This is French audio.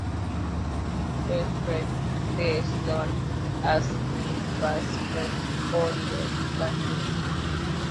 Peu fréquenté, son accès n'y est pas facile pour les randonneurs.